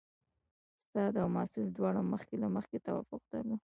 استاد او محصل دواړو مخکې له مخکې توافق درلود.